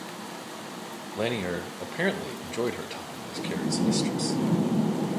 Lanier apparently enjoyed her time as Carey's mistress.